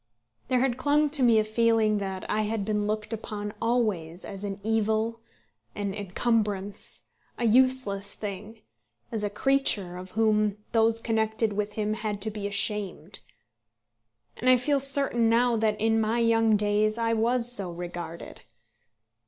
There had clung to me a feeling that I had been looked upon always as an evil, an encumbrance, a useless thing, as a creature of whom those connected with him had to be ashamed. And I feel certain now that in my young days I was so regarded.